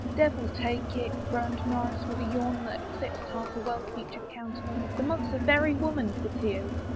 " Devil take it !" groaned Norris, with a yawn that eclipsed half a well featured countenance. *' The month's a very woman for tears